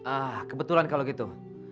ah kebetulan kalau gitu